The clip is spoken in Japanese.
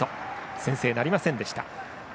先制なりませんでした。